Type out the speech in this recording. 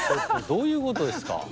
どういうことですか？